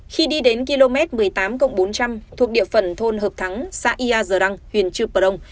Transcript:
khi đi đến km một mươi tám bốn trăm linh thuộc địa phần thôn hợp thắng xã yà giờ răng huyện chư prong